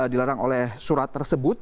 dilarang oleh surat tersebut